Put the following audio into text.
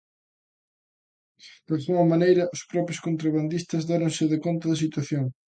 Dalgunha maneira os propios contrabandistas déronse de conta da situación.